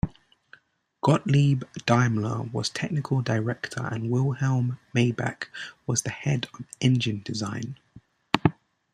Gottlieb Daimler was technical director and Wilhelm Maybach was the head of engine design.